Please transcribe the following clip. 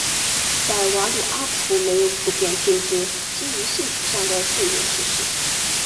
在瓦努阿图没有普遍禁止基于性取向的就业歧视。